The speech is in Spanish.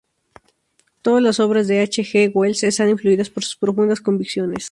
Todas las obras de H. G. Wells están influidas por sus profundas convicciones.